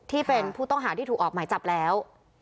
ที่เป็นผู้ต้องหาที่ถูกออกหมายจับแล้ว